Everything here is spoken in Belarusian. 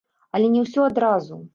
Але не ўсё адразу!